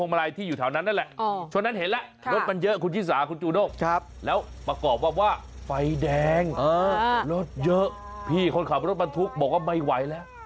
บิลบุรีแดงรถเยอะพี่คนขับรถมันทุกข์บอกว่าไม่ไหวแล้ว